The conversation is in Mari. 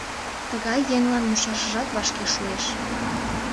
Тыгай еҥлан мучашыжат вашке шуэш...